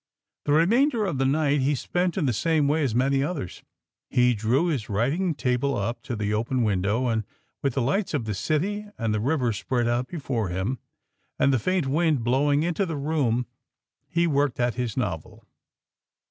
The remainder of the night he spent in the same way as many others. He drew his writing table up to the open window, and with the lights of the city and the river spread out before him, and the faint wind blowing into the room, he worked at his novel.